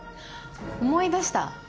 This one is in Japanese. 思い出した。